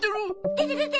でてでて！